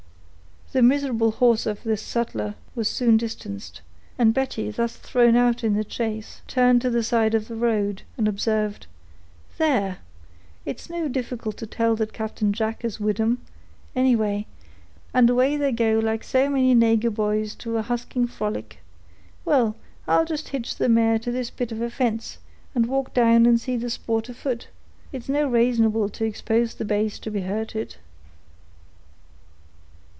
The miserable horse of the sutler was soon distanced, and Betty, thus thrown out in the chase, turned to the side of the road, and observed,— "There—it's no difficult to tell that Captain Jack is wid 'em, anyway; and away they go like so many nagur boys to a husking frolic; well, I'll jist hitch the mare to this bit of a fence, and walk down and see the sport afoot—it's no r'asonable to expose the baste to be hurted."